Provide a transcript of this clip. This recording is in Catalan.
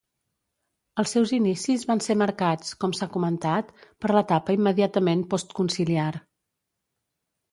Els seus inicis van ser marcats, com s'ha comentat, per l'etapa immediatament postconciliar.